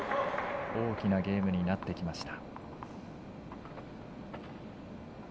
大きなゲームになってきました。